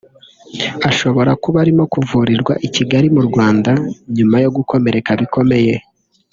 ashobora kuba arimo kuvurirwa i Kigali mu Rwanda nyuma yo gukomereka bikomeye